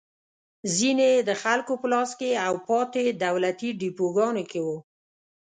ځینې یې د خلکو په لاس کې او پاتې دولتي ډېپوګانو کې وو.